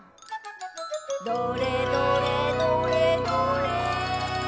「どれどれどれどれ」